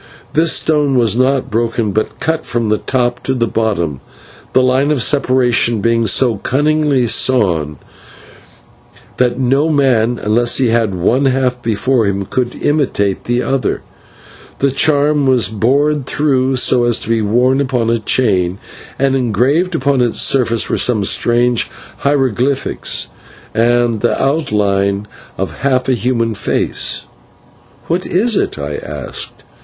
This stone was not broken, but cut from the top to the bottom, the line of separation being so cunningly sawn that no man, unless he had one half before him, could imitate the other. The charm was bored through so as to be worn upon a chain, and engraved upon its surface were some strange hieroglyphics and the outline of half a human face. "What is it?" I asked.